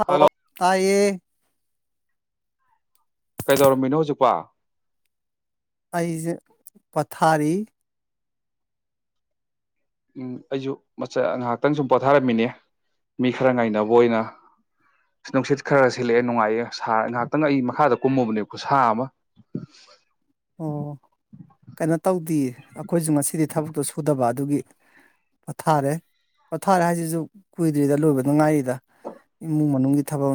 Hello ꯇꯥꯏ ꯑꯦ ꯀꯩꯗꯧꯔꯝꯃꯤꯅꯣ ꯍꯧꯖꯤꯛꯄꯑꯣ ꯑꯩꯁꯦ ꯄꯊꯥꯔꯤ ꯎꯝ ꯑꯩꯁꯨ ꯃꯆꯥ ꯉꯥꯏꯍꯥꯛꯇꯪ ꯁꯨꯝ ꯄꯣꯊꯥꯔꯝꯃꯤꯅꯦ ꯃꯤ ꯈꯔ ꯉꯥꯏꯅꯕ ꯑꯣꯏꯅ ꯅꯨꯡꯁꯤꯠ ꯈꯔ ꯁꯤꯜꯂꯛꯑꯦ ꯅꯨꯡꯉꯥꯏꯑꯦ ꯁꯥ ꯉꯥꯏꯍꯥꯛꯇꯪ ꯑꯩ ꯃꯈꯥꯗ ꯀꯨꯝꯃꯨꯕꯅꯦꯕꯀ ꯁꯥ ꯑꯃ ꯎ ꯑꯣ ꯀꯩꯅꯣ ꯇꯧꯗꯦ ꯑꯩꯈꯣꯏꯁꯨ ꯉꯁꯤꯗꯤ ꯊꯕꯛꯇꯣ ꯁꯨꯗꯕ ꯑꯗꯨꯒꯤ ꯄꯣꯊꯥꯔꯦ ꯄꯣꯊꯥꯔꯦ ꯍꯥꯏꯁꯤꯁꯨ ꯀꯨꯏꯗ꯭ꯔꯤꯗ ꯂꯣꯏꯕ ꯅꯨꯡꯉꯥꯏꯔꯤꯗ ꯏꯃꯨꯡ ꯃꯅꯨꯡꯒꯤ ꯊꯕꯛ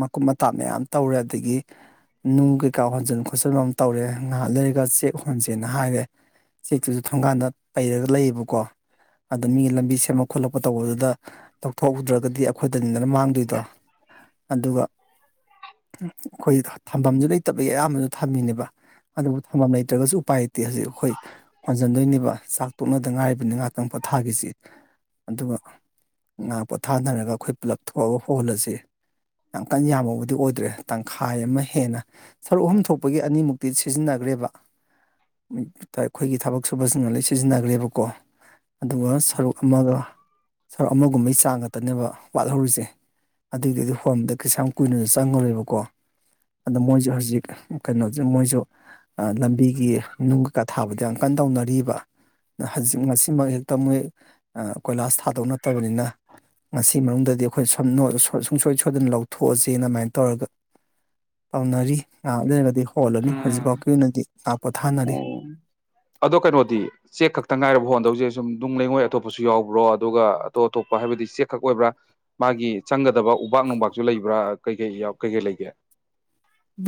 ꯃꯀꯨꯞ ꯃꯇꯥ ꯃꯌꯥꯝ ꯇꯧꯔꯦ ꯑꯗꯒꯤ ꯅꯨꯡ ꯀꯩꯀꯥ ꯍꯣꯟꯖꯟ ꯈꯣꯠꯆꯟꯕ ꯑꯃ ꯇꯧꯔꯦ ꯉꯥꯏꯍꯥꯛ ꯂꯩꯔꯒ ꯆꯦꯛ ꯍꯣꯟꯁꯦꯅ ꯍꯥꯏꯔꯦ ꯆꯦꯛꯇꯨꯁꯨ ꯊꯣꯡꯒꯥꯟꯗ ꯄꯩꯔꯒ ꯂꯩꯌꯦꯕꯀꯣ ꯑꯗ ꯃꯤꯒꯤ ꯂꯝꯕꯤ ꯁꯦꯝꯃꯛ ꯈꯣꯠꯂꯛꯄ ꯇꯧꯕꯗꯨꯗ ꯂꯧꯊꯣꯛꯍꯧꯗ꯭ꯔꯒꯗꯤ ꯑꯩꯈꯣꯏꯗꯅꯤꯗꯅ ꯃꯥꯡꯗꯣꯏꯗꯣ ꯑꯗꯨꯒ ꯑꯩꯈꯣꯏ ꯊꯝꯐꯝꯁꯨ ꯂꯩꯇꯕꯒꯤ ꯑꯌꯥꯝꯕꯁꯨ ꯊꯝꯃꯤꯅꯦꯕ ꯑꯗꯨꯕꯨ ꯊꯝꯐꯝ ꯂꯩꯇ꯭ꯔꯒꯁꯨ ꯎꯄꯥꯏ ꯇꯤ ꯍꯧꯖꯤꯛ ꯑꯩꯈꯣꯏ ꯍꯣꯟꯖꯟꯗꯣꯏꯅꯦꯕ ꯆꯥꯛ ꯇꯣꯛꯅꯗ ꯉꯥꯏꯔꯤꯕꯅꯤ ꯉꯥꯏꯍꯥꯛꯇꯪ ꯄꯣꯊꯥꯒꯤꯁꯤ ꯑꯗꯨꯒ ꯉꯥ ꯄꯣꯊꯥꯅꯔꯒ ꯑꯩꯈꯣꯏ ꯄꯨꯂꯞ ꯊꯣꯛꯑꯒ ꯍꯣꯜꯂꯁ ꯌꯥꯝ ꯀꯟꯅ ꯌꯥꯝꯃꯕꯨꯗꯤ ꯑꯣꯏꯗ꯭ꯔꯦ ꯇꯪꯈꯥꯏ ꯑꯃ ꯍꯦꯟꯅ ꯁꯔꯨꯛ ꯑꯍꯨꯝ ꯊꯣꯛꯄꯒꯤ ꯑꯅꯤꯃꯨꯛꯇ ꯁꯤꯖꯤꯟꯅꯈ꯭ꯔꯦꯕ ꯑꯩꯈꯣꯏꯒꯤ ꯊꯕꯛ ꯁꯨꯕꯁꯤꯡꯅ ꯂꯣꯏ ꯁꯤꯖꯤꯟꯅꯈ꯭ꯔꯦꯕꯀꯣ ꯑꯗꯨꯒ ꯁꯔꯨꯛ ꯑꯃꯒ ꯁꯔꯨꯛ ꯑꯃꯒꯨꯝꯕꯩ ꯆꯥꯡ ꯉꯛꯇꯅꯦꯕ ꯋꯥꯠꯍꯧꯔꯤꯁꯦ ꯑꯗꯨꯏꯗꯨꯗꯤ ꯍꯣꯟꯕꯗ ꯀꯩꯁ ꯌꯥꯝ ꯀꯨꯏꯅ ꯆꯪꯉꯨꯔꯦꯕꯀꯣ ꯑꯗ ꯃꯣꯏꯁꯨ ꯍꯧꯖꯤꯛ ꯀꯩꯅꯣ ꯃꯣꯏꯁꯨ ꯂꯝꯕꯤꯒꯤ ꯅꯨꯡ ꯀꯩꯀꯥ ꯊꯥꯕꯗ ꯌꯥꯝ ꯀꯟꯅ ꯇꯧꯅꯔꯤꯕ ꯍꯧꯖꯤꯛ ꯉꯁꯤꯃꯛ ꯍꯦꯛꯇ ꯃꯣꯏ ꯀꯣꯏꯂꯥꯁ ꯊꯥꯗꯧ ꯅꯠꯇꯕꯅꯤꯅ ꯉꯁꯤ ꯃꯅꯨꯡꯗꯗꯤ ꯑꯩꯈꯣꯏꯅ ꯁ ꯁꯨꯡꯁꯣꯏ ꯁꯣꯏꯗꯅ ꯂꯧꯊꯣꯛꯑꯁꯦꯅ ꯑꯗꯨꯃꯥꯏꯅ ꯇꯧꯔꯒ ꯇꯧꯅꯔꯤ ꯉꯥꯛ ꯂꯩꯔꯒꯗꯤ ꯍꯣꯜꯂꯅꯤ ꯍꯧꯖꯤꯛꯐꯥꯎꯒꯤ ꯑꯣꯏꯅꯗꯤ ꯉꯍ ꯄꯣꯊꯥꯅꯔꯤ ꯑꯣ ꯑꯗꯣ ꯀꯩꯅꯣꯗꯤ ꯆꯦꯛ ꯈꯛꯇ ꯉꯥꯏꯔꯕ ꯍꯣꯟꯗꯧꯁꯦ ꯁꯨꯝ ꯅꯨꯡ ꯂꯩꯉꯣꯏ ꯑꯇꯣꯞꯄꯁꯨ ꯌꯥꯎꯕ꯭ꯔꯣ ꯑꯗꯨꯒ ꯑꯇꯣꯞ ꯑꯇꯣꯞꯄ ꯍꯥꯏꯕꯗꯤ ꯆꯦꯛ ꯈꯛ ꯑꯣꯏꯕ꯭ꯔꯥ ꯃꯥꯒꯤ ꯆꯪꯒꯗꯕ ꯎꯄꯥꯛꯥꯛ ꯅꯨꯡꯄꯥꯛꯁꯨ ꯂꯩꯕ꯭ꯔꯥ ꯀꯩꯀꯩ ꯀꯩꯀꯩ ꯂꯩꯒꯦ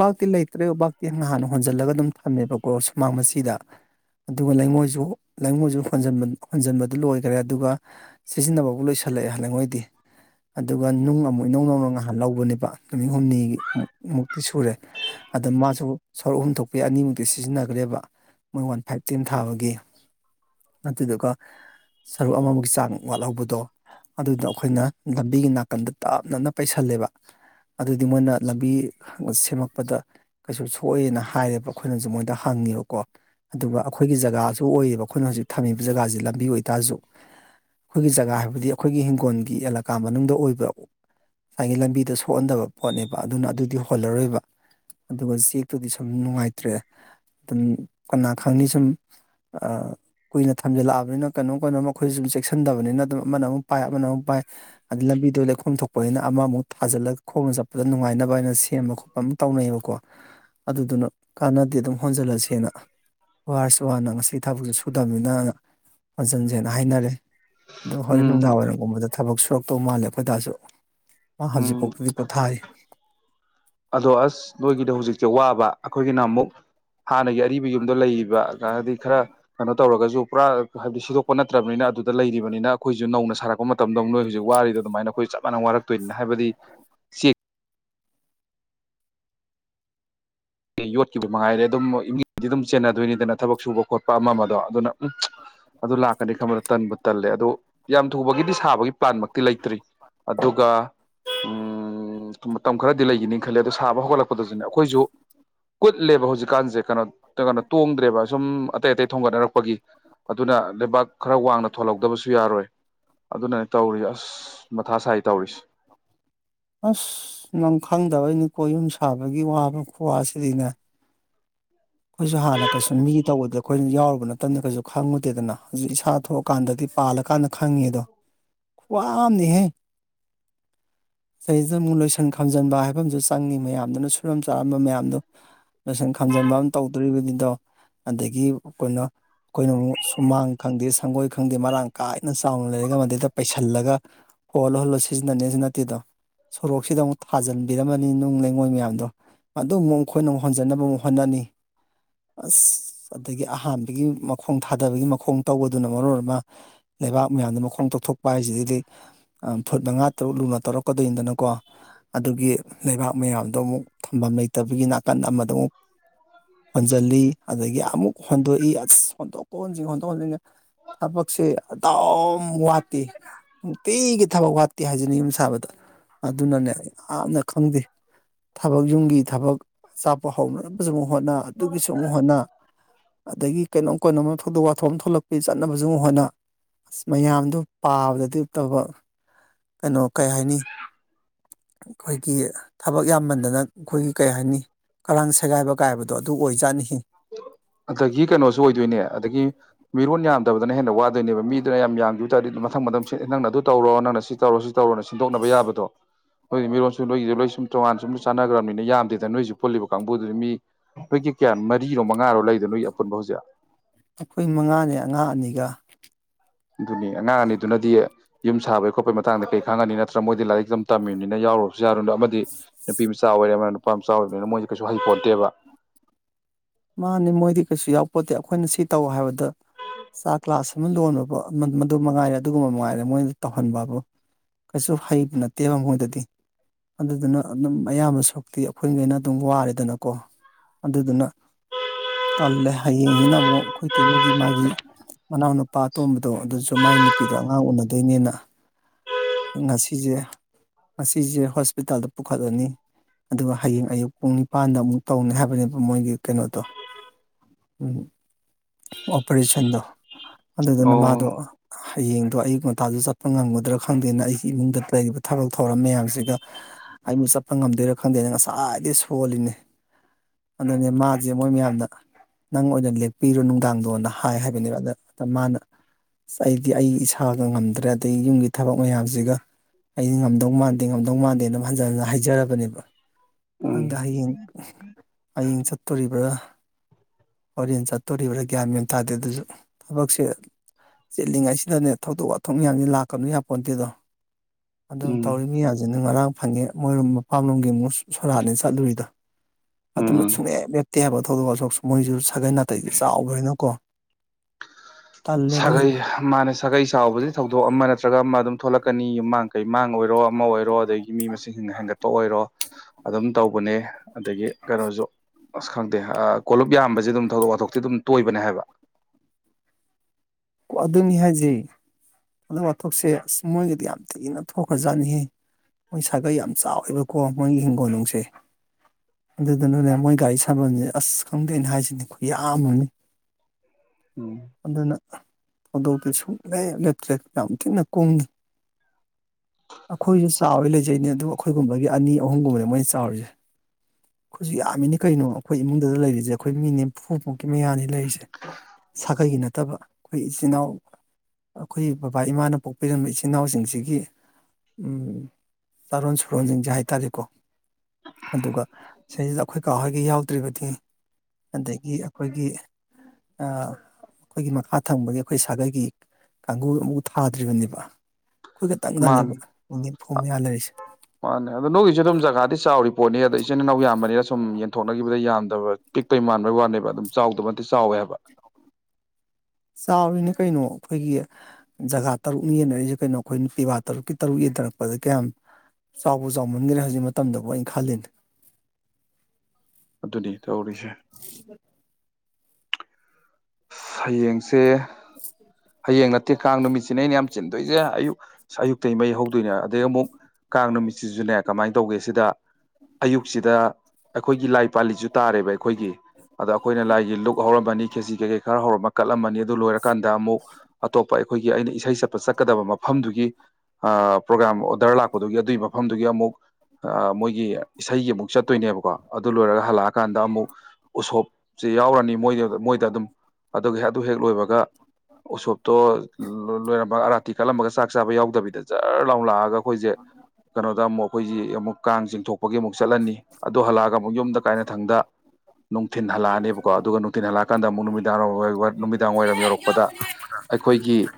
ꯕꯥꯛꯇꯤ ꯂꯩꯇ꯭ꯔꯦ ꯎꯕꯥꯛꯇꯤ ꯍꯥꯟꯅ ꯍꯣꯟꯖꯤꯜꯂꯒ ꯑꯗꯨꯝ ꯊꯝꯃꯦꯕꯀꯣ ꯁꯨꯃꯥꯡ ꯃꯆꯗ ꯑꯗꯨꯒ ꯂꯩꯉꯣꯏꯁꯨ ꯂꯩꯉꯣꯏꯁꯨ ꯍꯟꯖꯟꯕꯗꯨ ꯂꯣꯏꯈ꯭ꯔꯦ ꯑꯗꯨꯒ ꯁꯤꯖꯤꯟꯅꯕꯕꯨ ꯂꯣꯏꯁꯤꯜꯂꯛꯑꯦ ꯍꯜꯂꯤꯉꯣꯏꯗꯤ ꯑꯗꯨꯒ ꯅꯨꯡ ꯑꯃꯨꯛ ꯏꯅꯧ ꯅꯧꯅ ꯉꯍꯥꯟ ꯂꯧꯕꯅꯦꯕ ꯅꯨꯃꯤꯠ ꯍꯨꯝꯅꯤꯒꯤ ꯑꯃꯨꯛꯨꯛ ꯑꯗꯨ ꯁꯨꯔꯦ ꯑꯗ ꯃꯥꯁꯨ ꯁꯔꯨꯛ ꯑꯍꯨꯝ ꯊꯣꯛꯄ ꯑꯅꯤꯃꯨꯛꯇꯤ ꯁꯤꯖꯤꯟꯅꯈ꯭ꯔꯦꯕ ꯃꯣꯏ ꯋꯥꯟ ꯐꯥꯏꯚ ꯇꯦꯝ ꯊꯥꯕꯒꯤ ꯑꯗꯨꯗꯨꯒ ꯁꯔꯨꯛ ꯑꯃꯒꯤꯃ ꯆꯥꯡ ꯋꯥꯠꯍꯧꯕꯗꯣ ꯑꯗꯨꯗ ꯑꯩꯈꯣꯏꯅ ꯂꯝꯕꯤꯒꯤ ꯅꯥꯀꯟꯗ ꯇꯞꯅꯅ ꯄꯩꯁꯜꯂꯦꯕ ꯑꯗꯨꯗꯤ ꯃꯣꯏꯅ ꯂꯝꯕꯤ ꯁꯦꯝꯃꯛꯄꯗ ꯀꯩꯁꯨ ꯁꯣꯛꯑꯦꯅ ꯍꯥꯏꯔꯦꯕ ꯑꯩꯈꯣꯏꯅꯁꯨ ꯃꯣꯏꯗ ꯍꯪꯉꯦꯕꯀꯣ ꯑꯗꯨꯒ ꯑꯩꯈꯣꯏꯒꯤ ꯖꯒꯥꯁꯨ ꯑꯣꯏꯔꯤꯕ ꯑꯩꯈꯣꯏꯅ ꯍꯧꯖꯤꯛ ꯊꯝꯃꯤꯕ ꯖꯒꯥꯁꯤ ꯂꯝꯕꯤ ꯑꯣꯏꯇꯥꯔꯁꯨ ꯑꯩꯈꯣꯏꯒꯤ ꯖꯒꯥ ꯍꯥꯏꯕꯗꯤ ꯑꯩꯈꯣꯏꯒꯤ ꯍꯤꯡꯒꯣꯜꯒꯤ ꯑꯦꯂꯥꯀꯥ ꯃꯅꯨꯡꯗ ꯑꯣꯏꯕ ꯉꯁꯥꯏꯒꯤ ꯂꯝꯕꯤꯗ ꯁꯣꯛꯍꯟꯗꯕ ꯄꯣꯠꯅꯦꯕ ꯑꯗꯨꯅ ꯑꯗꯨꯗꯤ ꯍꯣꯜꯂꯔꯣꯏꯕ ꯑꯗꯨꯒ ꯆꯦꯛꯄꯒꯤ ꯁꯨꯝ ꯅꯨꯡꯉꯥꯏꯇ꯭ꯔꯦ ꯑꯗꯨꯝ ꯀꯅꯥ ꯈꯪꯅꯤ ꯁꯨꯝ ꯑꯥ ꯀꯨꯏꯅ ꯊꯝꯖꯤꯜꯂꯛꯑꯕꯅꯤꯅ ꯀꯩꯅꯣꯝ ꯀꯩꯅꯣꯝ ꯃꯈꯣꯏꯁꯨ ꯑꯗꯨꯝ ꯆꯦꯛꯁꯤꯟꯗꯕꯅꯤꯅ ꯑꯗꯨꯝ ꯑꯃꯅ ꯑꯃꯨꯛ ꯄꯥꯏ ꯑꯃꯅ ꯑꯃꯨꯛ ꯄꯥꯏ ꯑꯗ ꯂꯝꯕꯤꯗ ꯂꯩꯈꯣꯝ ꯊꯣꯛꯄꯅꯤꯅ ꯑꯃꯃꯨꯛ ꯊꯥꯖꯤꯜꯂꯒ ꯈꯣꯡꯅ ꯆꯠꯄꯗ ꯅꯨꯡꯉꯥꯏꯅꯕ ꯍꯥꯏꯅ ꯁꯤ ꯁꯦꯝꯕ ꯈꯣꯠꯄ ꯑꯃ ꯇꯧꯅꯩꯌꯦꯕꯀꯣ ꯑꯗꯨꯗꯨꯅ ꯀꯥꯟꯅꯗꯦ ꯑꯗꯨꯝ ꯍꯣꯟꯖꯜꯂꯁꯦꯅ ꯋꯥꯔꯁꯨ ꯋꯥꯔꯅ ꯉꯁꯤ ꯊꯕꯛꯁꯨ ꯁꯨꯗꯕꯅꯤꯅ ꯍꯟꯖꯤꯟꯁꯦꯅ ꯍꯥꯏꯅꯔꯦ ꯑꯗꯣ ꯍꯣꯔꯣꯏ ꯎꯝ ꯅꯨꯡꯗꯥꯡ ꯋꯥꯏꯔꯝꯒꯨꯝꯕꯗ ꯊꯕꯛ ꯁꯨꯔꯛꯇꯧ ꯃꯥꯜꯂꯦ ꯑꯩꯈꯣꯏ ꯗꯥꯁꯨ ꯃꯥ ꯎꯝ ꯍꯧꯖꯤꯛꯐꯥꯎꯇꯗꯤ ꯄꯣꯊꯥꯔꯤ ꯑꯗꯣ ꯑꯁ ꯅꯣꯏꯒꯤꯗꯣ ꯍꯧꯖꯤꯛꯇ ꯋꯥꯕ ꯑꯩꯈꯣꯏꯒꯤꯅ ꯑꯃꯨꯛ ꯍꯥꯟꯅꯒꯤ ꯑꯔꯤꯕ ꯌꯨꯝꯗ ꯂꯩꯔꯤꯕꯗꯤ ꯈꯔ ꯀꯩꯅꯣ ꯇꯧꯔꯒꯁꯨ ꯄꯨꯔꯥ ꯍꯥꯏꯕꯗꯤ ꯁꯤꯗꯣꯛꯄ ꯅꯠꯇ꯭ꯔꯕꯅꯤꯅ ꯑꯗꯨ ꯗ ꯂꯩꯔꯤꯕꯅꯤꯅ ꯑꯩꯈꯣꯏꯁꯨ ꯅꯧꯅ ꯁꯥꯔꯛꯄ ꯃꯇꯝꯗ ꯅꯣꯏ ꯍꯧꯖꯤꯛ ꯋꯥꯔꯤꯗꯣ ꯑꯗꯨꯃꯥꯏꯅ ꯑꯩꯈꯣꯏ ꯆꯞ ꯃꯥꯟꯅ ꯋꯥꯔꯛꯇꯣꯏꯅꯤ ꯍꯥꯏꯕꯗꯤ ꯆꯦꯛ ꯌꯣꯠꯈꯤꯕ ꯃꯉꯥꯏꯔꯦ ꯑꯗꯨꯝ ꯃꯤꯗꯤ ꯑꯗꯨꯝ ꯆꯦꯟꯅꯗꯣꯏꯅꯤꯗꯅ ꯊꯕꯛ ꯁꯨꯕ ꯈꯣꯠꯄ ꯑꯃ ꯑꯃꯗꯣ ꯑꯗꯨꯅ ꯑꯗꯨ ꯂꯥꯛꯀꯅꯤ ꯈꯟꯕꯗ ꯇꯟꯕꯨ ꯇꯜꯂꯦ ꯑꯗꯣ ꯌꯥꯝ ꯊꯨꯕꯒꯤꯗꯤ ꯁꯥꯕꯒꯤ ꯄ꯭ꯂꯥꯟ ꯃꯛꯇꯤ ꯂꯩꯇ꯭ꯔꯤ ꯑꯗꯨꯒ ꯎꯝ ꯃꯇꯝ ꯈꯔꯗꯤ ꯂꯩꯈꯤꯅꯤ ꯈꯜꯂꯦ ꯑꯗꯣ ꯁꯥꯕ ꯍꯧꯒꯠꯂꯛꯄꯗꯁꯨꯅꯦ ꯑꯩꯈꯣꯏꯁꯨ ꯂꯦꯕ ꯍꯧꯖꯤꯀꯥꯟꯁꯦ ꯀꯩꯅꯣ ꯀꯩꯅꯣ ꯇꯣꯡꯗ꯭ꯔꯦꯕ ꯁꯨꯝ ꯑꯇꯩ ꯑꯇꯩ ꯊꯣꯡꯒꯠꯅꯔꯛꯄ ꯒꯤ ꯑꯗꯨꯅ ꯂꯩꯕꯥꯛ ꯈꯔ ꯋꯥꯡꯅ ꯊꯣꯜꯍꯧꯗꯕꯁꯨ ꯌꯥꯔꯣꯏ ꯑꯗꯨꯅꯅꯦ ꯇꯧꯔꯤ ꯑꯁ ꯃꯊꯥ ꯁꯥꯏ ꯇꯧꯔꯤꯁꯦ ꯑꯁ ꯅꯪ ꯈꯪꯗꯕꯩꯅꯤ ꯀꯣ ꯌꯨꯝ ꯁꯥꯕꯒꯤ ꯋꯥꯕ ꯈꯨꯋꯥꯁꯤꯗꯤꯅꯦ ꯑꯩꯈꯣꯏꯁꯨ ꯍꯥꯟꯅ ꯀꯩꯁꯨ ꯃꯤ ꯇꯧꯕꯗ ꯑꯩꯈꯣꯏꯅ ꯌꯥꯎꯔꯨꯕ ꯅꯠꯇꯝꯅꯤ ꯀꯩꯁꯨ ꯈꯪꯉꯨꯗꯦꯗꯅ ꯍꯧꯖꯤꯛ ꯏꯁꯥ ꯊꯣꯛꯑꯀꯥꯟꯗꯗꯤ ꯄꯥꯜꯂ ꯀꯥꯟꯗ ꯈꯪꯉꯦꯗꯣ ꯈꯨꯋꯥꯝꯅꯤꯍꯦ ꯁꯤꯖꯗ ꯑꯃꯨꯛ ꯂꯣꯏꯁꯟ ꯈꯥꯝꯖꯤꯟꯕ ꯍꯥꯏꯕ ꯑꯃꯁꯁꯨ ꯆꯪꯉꯤ ꯃꯌꯥꯝꯗꯨꯅ ꯁꯨꯔꯝ ꯆꯥꯔꯝꯕ ꯃꯌꯥꯝꯗꯣ ꯂꯣꯏꯁꯟ ꯈꯥꯝꯖꯟꯕ ꯑꯝ ꯇꯧꯗꯣꯔꯤꯕꯅꯤꯗꯣ ꯑꯗꯒꯤ ꯀꯩꯅꯣ ꯑꯩꯈꯣꯏꯅ ꯑꯃꯨꯛ ꯁꯨꯃꯥꯡ ꯈꯪꯗꯦ ꯁꯪꯒꯣꯏ ꯈꯪꯗꯦ ꯃꯔꯥꯡ ꯀꯥꯏꯅ ꯆꯥꯎꯅ ꯂꯩꯔꯒ ꯃꯗꯩꯗ ꯄꯩꯁꯜꯂꯒ ꯍꯣꯜꯂꯣ ꯍꯣꯜꯂ ꯁꯤꯖꯟꯅꯅꯦ ꯁꯨ ꯅꯠꯇꯦꯗꯣ ꯁꯣꯔꯣꯛꯁꯤꯗ ꯑꯃꯨꯛ ꯊꯥꯖꯤꯟꯕꯤꯔꯝꯃꯅꯤ ꯅꯨꯡ ꯂꯩꯉꯣꯏ ꯃꯌꯥꯝꯗꯣ ꯑꯗꯨꯕꯨꯨꯛ ꯑꯩꯈꯣꯏꯅ ꯑꯃꯨꯛ ꯍꯟꯖꯟꯅꯕꯃꯨꯛ ꯍꯣꯠꯅꯅꯤ ꯑꯁ ꯑꯗꯒꯤ ꯑꯍꯥꯟꯕꯒꯤ ꯃꯈꯣꯡ ꯊꯥꯗꯕꯒꯤ ꯃꯈꯣꯡ ꯇꯧꯕꯗꯨꯅ ꯃꯔꯣꯟ ꯑꯃ ꯂꯩꯕꯥꯛ ꯃꯌꯥꯝꯗ ꯃꯈꯣꯡ ꯇꯧꯊꯣꯛꯄ ꯍꯥꯏꯁꯤꯗꯗꯤ ꯑ ꯐꯨꯠ ꯃꯉꯥ ꯇꯔꯨꯛ ꯂꯨꯅ ꯇꯧꯔꯛꯀꯗꯣꯏꯅꯤꯗꯅꯀꯣ ꯑꯗꯨꯒꯤ ꯂꯩꯕꯥꯛ ꯃꯌꯥꯝꯗꯣ ꯑꯃꯨꯛ ꯊꯝꯐꯝ ꯂꯩꯇꯕꯒꯤ ꯅꯥꯀꯟ ꯑꯃꯗ ꯑꯃꯨꯛ ꯍꯣꯟꯖꯤꯜꯂꯤ ꯑꯗꯒꯤ ꯑꯃꯨꯛ ꯍꯣꯟꯗꯣꯛꯏ ꯑꯁ ꯍꯣꯟꯗꯣꯛ ꯍꯣꯟꯖꯤꯟ ꯍꯣꯟꯗꯣꯛ ꯍꯣꯟꯖꯤꯟ ꯊꯕꯛꯁꯦ ꯑꯗꯨꯝ ꯋꯥꯠꯇꯦ ꯅꯨꯡꯇꯤꯒꯤ ꯊꯕꯛ ꯋꯥꯠꯇꯦ ꯍꯥꯏꯖꯅꯤ ꯌꯨꯝ ꯁꯥꯕꯗ ꯑꯗꯨꯅꯅꯦ ꯌꯥꯝꯅ ꯈꯪꯗꯦ ꯊꯕꯛ ꯌꯨꯝꯒꯤ ꯊꯕꯛ ꯆꯥꯞꯄ ꯍꯧꯕꯖꯃꯨꯛ ꯍꯣꯅ ꯑꯗꯨꯒꯤꯁꯨ ꯑꯃꯨꯛ ꯍꯣꯠꯅ ꯑꯗꯒꯤ ꯀꯩꯅꯣꯝ ꯀꯩꯅꯣꯝ ꯗꯣꯛ ꯋꯥꯊꯣꯛ ꯑꯃ ꯊꯣꯛꯂꯛꯄꯩ ꯆꯠꯅꯕꯁꯨ ꯍꯣꯠꯅ ꯑꯁ ꯃꯌꯥꯝꯗꯨ ꯄꯥꯕꯗꯗꯤ ꯑꯝꯇꯕ ꯀꯩꯅꯣ ꯀꯩ ꯍꯥꯏꯅꯤ ꯑꯩꯈꯣꯏꯒꯤ ꯊꯕꯛ ꯌꯥꯝꯃꯟꯗꯅ ꯑꯩꯈꯣꯏꯒꯤ ꯀꯩ ꯍꯥꯏꯅꯤ ꯀꯔꯥꯡ ꯁꯦꯒꯥꯏꯕ ꯀꯥꯏꯕꯗꯣ ꯑꯗꯨ ꯑꯣꯏꯖꯥꯠꯅꯤꯏ ꯑꯗꯒꯤ ꯀꯩꯅꯣꯁꯨ ꯑꯣꯏꯗꯣꯏꯅꯦ ꯑꯗꯒꯤ ꯃꯤꯔꯣꯟ ꯌꯥꯝꯗꯕꯗꯅ ꯍꯦꯟꯅ ꯋꯥꯗꯣꯏꯅꯦꯕ ꯃꯤꯗꯨꯅ ꯌꯥꯝꯈꯤꯕ ꯇꯥꯔꯗꯤ ꯑꯗꯨ ꯃꯊꯪ ꯃꯊꯪ ꯅꯪꯅ ꯑꯗꯨ ꯇꯧꯔꯣ ꯅꯪꯅ ꯁꯤ ꯇꯧꯔꯣ ꯁꯤ ꯇꯧꯔꯣꯅ ꯁꯤꯟꯗꯣꯛꯅꯕ ꯌꯥꯕꯗꯣ ꯅꯣꯏꯗꯤ ꯃꯤꯔꯣꯟꯁꯨ ꯅꯣꯏꯒꯤꯗ ꯂꯣꯏ ꯁꯨꯝ ꯇꯣꯉꯥꯟꯅ ꯁꯨꯝ ꯆꯥꯟꯅꯈ꯭ꯔꯕꯅꯤꯅ ꯌꯥꯝꯗꯦꯗꯅ ꯅꯣꯏꯁꯨ ꯄꯨꯜꯂꯤꯕ ꯀꯥꯡꯕꯨꯗꯨꯗꯤ ꯃꯤ ꯅꯈꯣꯏꯒꯤ ꯀꯌꯥ ꯃꯔꯤꯔꯣ ꯃꯉꯥꯔꯣ ꯂꯩꯗꯣ ꯅꯣꯏ ꯑꯄꯨꯟꯕ ꯍꯧꯖꯤꯛ ꯑꯩꯈꯣꯏ ꯃꯉꯥꯅꯦ ꯑꯉꯥꯡ ꯑꯅꯤꯒ ꯑꯗꯨꯅꯤ ꯑꯉꯥꯡ ꯑꯅꯤꯗꯨꯅꯗꯤ ꯌꯨꯝ ꯁꯥꯕꯩ ꯈꯣꯠꯄꯒꯤ ꯃꯇꯥꯡꯗ ꯀꯩ ꯈꯪꯉꯅꯤ ꯅꯠꯇ꯭ꯔ ꯃꯣꯏꯗꯤ ꯂꯥꯏꯔꯤꯛꯇꯁꯨ ꯑꯗꯨꯝ ꯇꯝꯃꯤꯕꯅꯤꯅ ꯌꯥꯎꯔꯨꯨꯔꯁꯨ ꯌꯥꯔꯨꯅꯨ ꯑꯃꯗꯤ ꯅꯨꯄꯤ ꯃꯆꯥ ꯑꯣꯏꯔ ꯑꯃꯅ ꯅꯨꯄꯥ ꯃꯆꯥ ꯑꯣꯏꯔꯕꯅꯤꯅ ꯃꯣꯏ ꯀꯩꯁꯨ ꯍꯩꯄꯣꯠꯇꯦꯕ ꯃꯥꯅꯤ ꯃꯣꯏꯗꯤ ꯀꯩꯁꯨ ꯌꯥꯎꯄꯣꯠꯇꯦ ꯑꯩꯈꯣꯏꯅ ꯁꯤ ꯇꯧ ꯍꯥꯏꯕꯗ ꯆꯥ ꯒꯂꯥꯁ ꯑꯃ ꯂꯣꯟꯕ ꯃꯗꯨ ꯃꯉꯥꯏꯔ ꯑꯗꯨꯒꯨꯝꯕ ꯃꯉꯥꯏꯗ ꯃꯣꯏꯗ ꯇꯧꯍꯟꯕꯕꯨ ꯀꯩꯁꯨ ꯍꯩꯕ ꯅꯠꯇꯦꯕ ꯃꯣꯏꯗꯗꯤ ꯑꯗꯨꯗꯨꯅ ꯑꯗꯨꯝ ꯑꯌꯥꯝꯕ ꯁꯛꯇꯤ ꯑꯩꯈꯣꯏꯉꯩꯅ ꯑꯗꯨꯝ ꯋꯥꯔꯦꯗꯅꯀꯣ ꯑꯗꯨꯗꯨꯅ ꯇꯜꯂꯦ ꯍꯌꯦꯡꯁꯤꯅ ꯑꯃꯨꯛ ꯑꯩꯈꯣꯏ ꯇꯩꯅꯃꯒꯤ ꯃꯥꯒꯤ ꯃꯅꯥꯎ ꯅꯨꯄꯥ ꯑꯇꯣꯝꯕꯗꯣ ꯑꯗꯨꯁꯨ ꯃꯥꯏ ꯅꯨꯄꯤꯗꯣ ꯑꯉꯥꯡ ꯎꯅꯗꯣꯏꯅꯦꯅ ꯉꯁꯤꯁꯦ ꯉꯁꯤꯁꯦ ꯍꯣꯁꯄꯤꯇꯥꯜꯗ ꯄꯨꯈꯠꯂꯅꯤ꯫ ꯑꯗꯨꯒ ꯍꯌꯦꯡ ꯑꯌꯨꯛ ꯄꯨꯡ ꯅꯤꯄꯥꯟꯗ ꯑꯃꯨꯛ ꯇꯧꯅꯤ ꯍꯥꯏꯕꯅꯦꯕ ꯃꯣꯏꯒꯤ ꯀꯩꯅꯣꯗ ꯗꯣ ꯎꯝ ꯑꯣꯄꯔꯦꯁꯟꯗꯣ ꯑꯗꯨꯗꯨꯅ ꯑꯣ ꯃꯥꯗꯣ ꯍꯌꯦꯡꯗꯣ ꯑꯌꯨꯛ ꯉꯟꯇꯥꯁꯨ ꯆꯠꯄ ꯉꯝꯒꯗ꯭ꯔꯥ ꯈꯪꯗꯦꯅ ꯑꯩꯒꯤ ꯏꯃꯨꯡꯗ ꯂꯩꯔꯤꯕ ꯊꯕꯛ ꯊꯧꯔꯝ ꯃꯌꯥꯝꯁꯤꯒ ꯑꯩꯕꯨ ꯆꯠꯄ ꯉꯝꯗꯣꯏꯔꯥ ꯈꯪꯗꯦꯅꯦ ꯉꯁꯥꯏꯗꯤ ꯁꯣꯜꯂꯤꯅꯦ ꯑꯗꯨꯅꯦ ꯃꯥ ꯁꯦ ꯃꯣꯏ ꯃꯌꯥꯝꯅ ꯅꯪ ꯑꯣꯏꯅ ꯂꯦꯛꯄꯤꯔꯣ ꯅꯨꯡꯗꯥꯡꯗꯣꯅ ꯍꯥꯏ ꯍꯥꯏꯕꯅꯦꯕ ꯑꯗ ꯃꯥꯅ ꯑꯩꯗꯤ ꯑꯩ ꯏꯁꯥꯒ ꯉꯝꯗ꯭ꯔꯦ ꯑꯗꯗꯒꯤ ꯌꯨꯝꯒꯤ ꯊꯕꯛ ꯃꯌꯥꯝꯁꯤꯒ ꯑꯩꯗꯤ ꯉꯝꯗꯧ ꯃꯥꯟꯗꯦ ꯉꯝꯗꯧ ꯃꯥꯟꯗꯦ ꯑꯗꯨꯝ ꯍꯟꯖ ꯍꯟ ꯍꯥꯏꯖꯔꯔꯕ ꯅꯦꯕ ꯎꯝ ꯈꯪꯗ ꯍꯌꯦꯡ ꯍꯌꯦꯡ ꯆꯠꯇꯣꯔꯤꯕ꯭ꯔꯥ? ꯍꯣꯔꯦꯟ ꯆꯠꯇꯣꯔꯤꯕ꯭ꯔꯥ ꯒ꯭ꯌꯥꯟ ꯃꯦꯟ ꯇꯥꯗꯦ ꯑꯗꯨꯁꯨ ꯊꯕꯛꯁꯦ ꯆꯦꯜꯂꯤꯉꯩꯁꯤꯗꯅꯦ ꯊꯧꯗꯣꯛ ꯋꯥꯊꯣꯛ ꯃꯌꯥꯝꯁꯦ ꯂꯥꯛꯀꯅꯨ ꯌꯥ ꯄꯣꯟꯠꯇꯦꯗꯣ ꯑꯗꯨ ꯎꯝ ꯇꯧꯔꯤꯔꯤꯕ ꯃꯤꯌꯥꯝꯁꯤꯅ ꯉꯔꯥꯡ ꯐꯪꯉꯦ ꯃꯣꯏꯔꯣꯝ ꯃꯄꯥꯝꯂꯣꯝꯒꯤ ꯑꯃꯨꯛ ꯁꯣꯔꯥꯠꯅꯤ ꯆꯠꯂꯨꯔꯤꯗꯣ ꯑꯗꯨꯅ ꯎꯝ ꯁꯨꯛꯅꯦꯞ ꯂꯦꯞꯇꯦ ꯍꯥꯏꯕ ꯊꯧꯗꯣꯛ ꯋꯥꯊꯣꯛꯁꯨ ꯃꯣꯏꯁꯨ ꯁꯥꯒꯩ ꯅꯥꯇꯩꯗꯤ ꯆꯥꯎꯒ꯭ꯔꯦꯅꯀꯣ ꯁꯥꯒꯩ ꯃꯥꯅ ꯁꯥꯒꯩ ꯆꯥꯎꯕꯁꯤ ꯊꯧꯗꯣꯛ ꯑꯃ ꯅꯠꯇ꯭ꯔꯒ ꯑꯃ ꯑꯗꯨꯝ ꯊꯣꯛꯂꯛꯀꯅꯤ ꯌꯨꯝ ꯃꯥꯡ ꯀꯩ ꯃꯥꯡ ꯑꯣꯏꯔꯣ ꯑꯃ ꯑꯣꯏꯔꯣ ꯑꯗꯒꯤ ꯃꯤ ꯃꯁꯤꯡ ꯍꯦꯟꯒꯠꯄ ꯑꯣꯏꯔꯣ ꯑꯗꯨꯝ ꯇꯧꯕꯅꯦ ꯑꯗꯒꯤ ꯀꯩꯅꯣꯁꯨ ꯑꯁ ꯈꯪꯗꯦ ꯀꯣꯂꯨꯞꯞ ꯌꯥꯝꯕꯁꯤ ꯑꯗꯨꯝ ꯊꯧꯗꯣꯛ ꯋꯥꯊꯣꯛꯇꯤ ꯑꯗꯨꯝ ꯇꯣꯏꯕꯅꯦ ꯍꯥꯏꯕ ꯑꯗꯨꯅꯤ ꯍꯥꯏꯖꯩ ꯊꯥꯎ ꯋꯥꯊꯣꯛꯁꯦ ꯑꯁ ꯃꯣꯏꯒꯤꯗꯤ ꯌꯥꯝ ꯊꯤꯅ ꯊꯣꯛꯈ꯭ꯔꯖꯥꯠꯅꯤꯍꯦ꯫ ꯃꯣꯏ ꯁꯥꯒꯩ ꯌꯥꯝ ꯆꯥꯎꯋꯦꯕꯀꯣ ꯃꯣꯏꯒꯤ ꯍꯤꯡꯒꯣꯜ ꯅꯨꯡꯁꯦ꯫ ꯑꯗꯨꯗꯨꯅꯅꯦ ꯃꯣꯏ ꯒꯥꯔꯤ ꯁꯥꯟꯅꯕꯁꯦ ꯑꯁ ꯈꯪꯗꯣꯏꯅꯦ ꯍꯥꯏꯁꯤꯅꯦ ꯈꯨ ꯌꯥꯝ ꯑꯝꯅꯤ꯫ ꯎꯝ ꯑꯗꯨꯅ ꯊꯧꯗꯣꯛꯇꯨ ꯁꯨꯡ ꯂꯦꯞꯇ꯭ꯔꯦ ꯌꯥꯝ ꯊꯤꯅ ꯀꯨꯝꯏ ꯑꯩꯈꯣꯏꯁꯨ ꯆꯥꯎꯩ ꯂꯩꯖꯩꯅꯦ ꯑꯗꯨ ꯑꯩꯈꯣꯏꯒꯨꯝꯕꯒꯤ ꯑꯅꯤ ꯑꯍꯨꯝꯒꯨꯝꯕꯗ ꯃꯣꯏꯅ ꯆꯥꯎꯔꯤꯁꯦ꯫ ꯑꯩꯈꯣꯏꯁꯨ ꯌꯥꯝꯃꯤꯅꯤ ꯀꯩꯅꯣ ꯑꯩꯈꯣꯏ ꯏꯃꯨꯡꯗ ꯂꯩꯔꯤꯁꯦ ꯑꯩꯈꯣꯏ ꯃꯤꯅꯦ ꯐꯐꯨꯃꯨꯛꯀꯤ ꯃꯌꯥꯅꯤ ꯂꯩꯔꯤꯁꯦ ꯁꯥꯒꯩꯒꯤ ꯅꯠꯇꯕ ꯑꯩꯈꯣꯏ ꯏꯆꯤꯤꯟ ꯏꯅꯥꯎ ꯑꯩꯈꯣꯏꯒꯤ ꯕꯕꯥ ꯏꯃꯥꯅ ꯄꯣꯛꯄꯤꯔꯝꯕ ꯏꯆꯤꯟ ꯏꯅꯥꯎꯁꯤꯡꯁꯤꯒꯤ ꯎꯝ ꯆꯥꯔꯣꯟ ꯁꯨꯔꯣꯟꯁꯤꯡꯁꯦ ꯍꯥꯏꯇꯥꯔꯦꯀꯣ ꯑꯗꯨꯒ ꯁꯤꯁꯤꯗ ꯑꯩꯈꯣꯏ ꯀꯥ ꯍꯣꯏꯒ ꯌꯥꯎꯗ꯭ꯔꯤꯕꯗꯤ ꯑꯗꯒꯤ ꯑꯩꯈꯣꯏꯒꯤ ꯑꯥ ꯑꯩꯈꯣꯏꯒꯤ ꯃꯈꯥ ꯊꯪꯕꯒꯤ ꯑꯩꯈꯣꯏ ꯁꯥꯒꯩꯒꯤ ꯀꯥꯡꯒꯕꯨ ꯑꯃꯛ ꯊꯥꯗ꯭ꯔꯤꯕꯅꯦꯕ ꯑꯩꯈꯣꯏ ꯈ ꯃꯥꯅꯤ ꯇꯪꯗꯪꯉꯦꯕ ꯅꯨꯡꯗꯤꯠ ꯐꯣꯡꯕ ꯌꯥꯅꯔꯤꯁꯦ ꯃꯥꯅꯦ ꯑꯗꯣ ꯅꯣꯏꯒꯤꯁꯨ ꯑꯗꯨꯝ ꯖꯒꯥꯗꯤ ꯆꯥꯎꯔꯤ ꯄꯣꯠꯅꯤ ꯑꯗꯣ ꯏꯆꯤꯟ ꯏꯅꯥꯎ ꯌꯥꯝꯕꯅꯤꯅ ꯁꯨꯝ ꯊꯣꯟꯅꯈꯤꯕꯗ ꯌꯥꯝꯗꯕ ꯄꯤꯛꯄꯩ ꯃꯥꯟꯕꯩ ꯋꯥꯅꯦꯕ ꯑꯗꯨꯝ ꯆꯥꯎꯗꯕ ꯅꯠꯇꯦ ꯆꯥꯎꯋꯦ ꯍꯥꯏꯕ ꯆꯥꯎꯔꯤꯅ ꯀꯩꯅꯣ ꯑꯩꯈꯣꯏꯒꯤ ꯖꯒꯥ ꯇꯔꯨꯛꯅꯤ ꯌꯦꯟꯅꯔꯤꯁꯦ ꯀꯩꯅꯣ ꯑꯩꯈꯣꯏꯅ ꯅꯨ ꯄꯤꯕꯥ ꯇꯔꯨꯛꯀꯤ ꯇꯔꯨꯛ ꯌꯦꯟꯟꯅꯔꯛꯄꯗ ꯀꯌꯥꯝ ꯆꯥꯎꯕ ꯆꯥꯎꯃꯟꯈ꯭ꯔꯦ ꯍꯧꯖꯤꯛ ꯃꯇꯝꯗꯐ ꯑꯩꯅ ꯈꯜꯂꯤꯅꯦ ꯑꯗꯨꯗꯤ ꯇꯧꯔꯤꯁꯦ [inaudible] ꯍꯌꯦꯡꯁꯦ [inaudible] ꯍꯌꯦꯡ ꯅꯠꯇꯦ ꯀꯥꯡ ꯅꯨꯃꯤꯠꯁꯤꯅꯦ ꯑꯩꯅ ꯌꯥꯝ ꯆꯤꯟꯗꯣꯏꯁꯦ ꯑꯌꯨꯛ ꯑ ꯑꯌꯨꯛꯇꯩ ꯃꯩ ꯍꯧꯗꯣꯏꯅꯦ ꯑꯗꯩ ꯑꯃꯨꯛ ꯀꯥꯡ ꯅꯨꯃꯤꯠꯁꯤꯁꯨꯖꯤꯅꯦ ꯀꯃꯥꯏꯅ ꯇꯧꯒꯦ ꯁꯤꯗ ꯑꯌꯨꯛꯁꯤꯗ ꯑꯩꯈꯣꯏꯒꯤ ꯂꯥꯏ ꯄꯥꯜꯂꯤꯁꯨ ꯇꯥꯔꯦꯕ ꯑꯩꯈꯣꯏꯒꯤ ꯑꯗ ꯑꯩꯈꯣꯏꯅ ꯂꯥꯏꯒꯤ ꯂꯨꯛ ꯍꯧꯔꯃꯅꯤ ꯈꯦꯖꯤ ꯀꯩꯀꯩ ꯈꯔ ꯍꯧꯔꯝꯃ ꯀꯠꯂꯝꯃꯅꯤ ꯑꯗꯨ ꯂꯣꯏꯔꯀꯥꯟꯗ ꯑꯃꯨꯛ ꯑꯇꯣꯞꯄ ꯑꯩꯈꯣꯏꯒꯤ ꯑꯩꯅ ꯏꯁꯩ ꯆꯠꯄ ꯆꯠꯀꯗꯕ ꯃꯐꯝꯗꯨꯒꯤ ꯄ꯭ꯔꯣꯒꯥꯥꯝ ꯑꯣꯗꯔ ꯂꯥꯛꯄꯗꯨꯒꯤ ꯑꯗꯨꯒꯤ ꯃꯐꯝꯗꯨꯒꯤ ꯑꯃꯨꯛ ꯃꯣꯏꯒꯤ ꯏꯁꯩꯒꯤ ꯑꯃꯨꯛ ꯆꯠꯇꯣꯏꯅꯦꯕꯀꯣ ꯑꯗꯨ ꯂꯣꯏꯔꯒ ꯍꯜꯂꯛꯑꯀꯥꯟꯗ ꯑꯃꯨꯛ ꯎꯁꯣꯞ ꯆꯦ ꯌꯥꯎꯔꯅꯤ ꯃꯣꯏ ꯃꯣꯏꯗ ꯑꯗꯨꯝ ꯑꯗꯨꯒ ꯍꯦꯛ ꯑꯗꯨ ꯍꯦꯛ ꯂꯣꯏꯕꯒ ꯎꯁꯣꯞꯇꯣ ꯂꯣꯏꯔꯝꯕ ꯑꯔꯥꯊꯤ ꯀꯠꯂꯝꯂꯒ ꯆꯥꯛ ꯆꯥꯕ ꯌꯥꯎꯗꯕꯤꯗ ꯖꯔ ꯂꯥꯎ ꯂꯥꯛꯑꯒ ꯑꯩꯈꯣꯏꯁꯦ ꯀꯩꯅꯣꯗ ꯑꯃꯨꯛ ꯑꯩꯈꯣꯏꯁꯤ ꯑꯃꯨꯛ ꯀꯥꯡ ꯆꯤꯡꯊꯣꯛꯄꯒꯤ ꯑꯃꯨꯛ ꯆꯠꯂꯟꯅꯤ ꯑꯗꯨ ꯍꯜꯂꯛꯑꯒ ꯑꯃꯨꯛ ꯌꯨꯝꯗ ꯀꯥꯏꯅ ꯊꯪꯗ ꯅꯨꯡꯊꯤꯟꯜꯂꯛꯑꯅꯤꯕꯀꯣ ꯑꯗꯨꯒ ꯅꯨꯡꯊꯤꯟ ꯍꯜꯂꯛꯀꯥꯟꯗ ꯑꯃꯨꯛ ꯅꯨꯃꯤꯗꯥꯡ ꯅꯨꯃꯤꯗꯥꯡ ꯋꯥꯏꯔꯝ ꯌꯧꯔꯛꯄꯗ ꯑꯩꯈꯣꯏꯒꯤ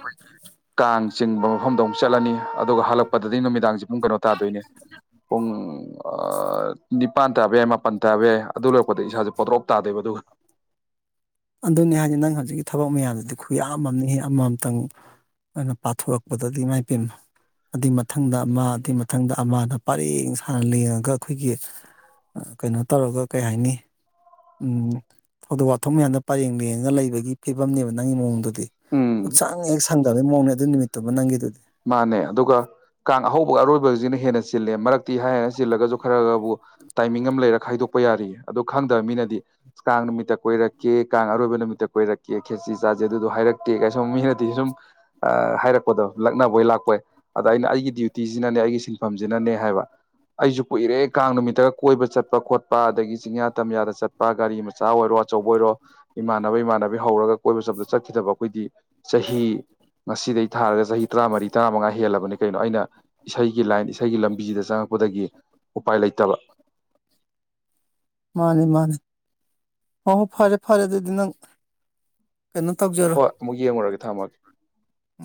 ꯀꯥꯡ ꯆꯤꯡꯕ ꯃꯐꯝꯗꯧ ꯑꯃꯨꯛ ꯆꯠꯂꯅꯤ ꯑꯗꯨꯒ ꯍꯜꯂꯛꯄꯗꯗꯤ ꯅꯨꯃꯤꯗꯥꯡꯁꯦ ꯄꯨꯡ ꯀꯩꯅꯣ ꯇꯥꯗꯣꯏꯅꯦ ꯄꯨꯡ ꯅꯤꯞ ꯄꯥꯟ ꯇꯥꯕ ꯌꯥꯏ ꯃꯥꯄꯟ ꯇꯥꯕ ꯌꯥꯏ ꯑꯗꯨ ꯂꯣꯏꯛꯄꯗ ꯏꯁꯥꯁꯦ ꯄꯣꯗ꯭ꯔꯣꯛ ꯇꯥꯗꯣꯏꯕ ꯑꯗꯨꯒ ꯑꯗꯨꯅꯤ ꯍꯥꯏꯗꯤ ꯅꯪ ꯍꯧꯖꯤꯛꯀꯤ ꯊꯕꯛ ꯃꯌꯥꯝꯗꯨꯗꯤ ꯈꯨꯌꯥꯝ ꯑꯝꯅꯤꯍꯦ ꯑꯃꯃꯝꯇꯪ ꯑꯩꯅ ꯄꯥꯊꯣꯔꯛꯄꯗꯗꯤ ꯃꯥꯏ ꯄꯦꯝꯃ ꯑꯗꯨꯏ ꯃꯊꯪꯗ ꯑꯃ ꯑꯗꯨꯏ ꯃꯊꯪꯗ ꯑꯃꯗ ꯄꯔꯦꯡ ꯁꯥꯅ ꯂꯦꯡꯉꯒ ꯑꯩꯈꯣꯏꯒꯤ ꯀꯩꯅꯣ ꯇꯧꯔꯒ ꯀꯩ ꯍꯥꯏꯅꯤ ꯎꯝ ꯊꯧꯗꯣꯛ ꯋꯥꯊꯣꯛ ꯃꯌꯥꯝꯗ ꯄꯔꯦꯡ ꯂꯦꯡꯉꯒ ꯂꯩꯕꯒꯤ ꯐꯤꯕꯝꯅꯦꯕ ꯅꯪꯒꯤ ꯃꯑꯣꯡꯗꯨꯗꯤ ꯎꯝ ꯁꯨꯛꯁꯪ ꯍꯦꯛ ꯁꯪ ꯈꯪꯗꯕꯩ ꯃꯑꯣꯡꯅꯦ ꯑꯗꯨ ꯅꯨꯃꯤꯠꯇꯨꯃ ꯅꯪꯒꯤꯗꯨꯗꯤ ꯃꯥꯅꯦ ꯑꯗꯨꯒ ꯀꯥꯡ ꯑꯍꯧꯕ ꯑꯔꯣꯏꯕꯕꯁꯤꯅ ꯍꯦꯟꯅ ꯆꯤꯜꯂꯦ ꯃꯔꯛꯇꯤ ꯍꯥꯏ ꯍꯦꯅ ꯆꯤꯜꯂꯒꯁꯨ ꯈꯔ ꯈꯔꯕꯨ ꯇꯥꯏꯃꯤꯡ ꯑꯃ ꯂꯩꯔ ꯈꯥꯏꯗꯣꯛꯄ ꯌꯥꯔꯤꯌꯦ ꯑ ꯈꯪꯗꯕ ꯃꯤꯅꯗꯤ ꯀꯥꯡ ꯅꯨꯃꯤꯠꯇ ꯀꯣꯏꯔꯛꯀꯦ ꯀꯥꯡ ꯑꯔꯣꯏꯕ ꯅꯨꯃꯤꯠꯇ ꯀꯣꯏꯔꯛꯀꯦ ꯈꯦꯠꯆ ꯆꯥꯖꯦ ꯑꯗꯨꯗꯣ ꯍꯥꯏꯔꯛꯇꯦ ꯀꯥꯏꯁꯣ ꯃꯤꯅꯗꯤ ꯁꯨꯝ ꯍꯥꯏꯔꯛꯄꯗꯣ ꯂꯛꯅꯕꯣꯏ ꯂꯥꯛꯄꯣꯏ ꯑꯗ ꯑꯩꯅ ꯑꯩꯒꯤ ꯗ꯭ꯌꯨꯇꯤꯁꯤꯅꯅꯦ ꯑꯩꯒꯤ ꯁꯤꯟꯐꯝꯁꯤꯅꯅꯦ ꯍꯥꯏꯕ ꯑꯩꯁꯨ ꯀꯨꯏꯔꯦ ꯀꯥꯡ ꯅꯨꯃꯤꯠꯇꯒ ꯀꯣꯏꯕ ꯆꯠꯄ ꯈꯣꯠꯄ ꯑꯗꯒꯤ ꯆꯤꯡꯌꯥ ꯇꯝꯌꯥꯗ ꯆꯠꯄ ꯒꯥꯔꯤ ꯑꯃ ꯆꯆꯥ ꯑꯣꯏꯔꯣ ꯑꯆꯧꯕ ꯑꯣꯏꯔꯣ ꯏꯃꯥꯟꯅꯕ ꯏꯃꯥꯟꯅꯕꯤ ꯍꯧꯔꯒ ꯀꯣꯏꯕ ꯆꯕꯗ ꯆꯠꯈꯤꯗꯕ ꯑꯩꯈꯣꯏꯗꯤ ꯆꯍꯤ ꯉꯁꯤꯗꯒꯤꯩ ꯊꯥꯔꯒ ꯆꯍꯤ ꯇꯔꯥꯃꯔꯤ ꯇꯔꯥꯃꯉꯥ ꯍꯦꯜꯂꯕꯅꯤ ꯀꯩꯅꯣ ꯑꯩꯅ ꯏꯁꯩꯒꯤ ꯂꯥꯏꯟ ꯏꯁꯩꯒꯤ ꯂꯝꯕꯤꯁꯤꯗ ꯆꯪꯉꯛꯄꯗꯒꯤ ꯎꯄꯥꯏ ꯂꯩꯇꯕ ꯃꯥꯅꯦ ꯃꯥꯅꯦ ꯑ ꯍꯣ ꯐꯔꯦ ꯐꯔꯦ ꯑꯗꯨꯗꯤ ꯅꯪ ꯀꯩꯅꯣ ꯇꯧꯖꯔꯣ ꯍꯣꯏ ꯑꯃꯨꯛ ꯌꯦꯡꯂꯡꯨꯔꯒ ꯊꯝꯃꯒꯦ ꯎꯝ